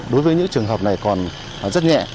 đối với những trường hợp này còn rất nhẹ